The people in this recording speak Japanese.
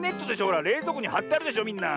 ほられいぞうこにはってあるでしょみんな。